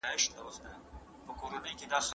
د وهمي غږونو ځواب د کلتور له مخې توپیر لري.